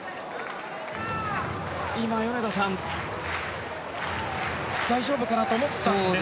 今、米田さん大丈夫かなと思ったんですが。